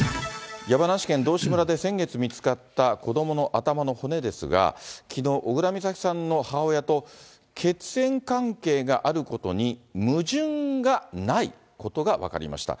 山梨県道志村で先月見つかった子どもの頭の骨ですが、きのう、小倉美咲さんの母親と、血縁関係があることに矛盾がないことが分かりました。